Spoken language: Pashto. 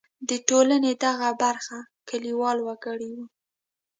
د ټولنې دغه برخه کلیوال وګړي وو.